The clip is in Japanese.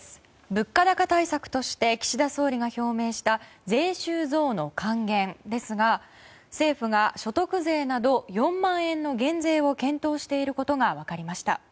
物価高対策として岸田総理が表明した税収増の還元ですが政府が所得税など４万円の減税を検討していることが分かりました。